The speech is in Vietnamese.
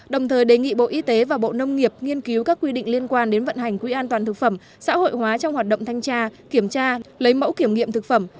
đồng thời đề nghị bộ y tế và bộ nông nghiệp nghiên cứu các quy định liên quan đến vận hành quỹ an toàn thực phẩm xã hội hóa trong hoạt động thanh tra kiểm tra lấy mẫu kiểm nghiệm thực phẩm